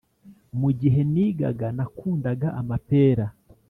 mugihe nigaga nakundaga amapera